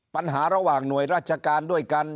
ปัญหาระหว่างหน่วยราชการด้วยกัน